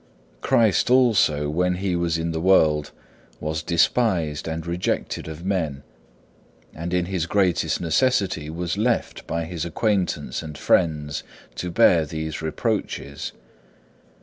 5. Christ also, when He was in the world, was despised and rejected of men, and in His greatest necessity was left by His acquaintance and friends to bear these reproaches.